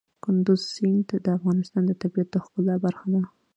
کندز سیند د افغانستان د طبیعت د ښکلا برخه ده.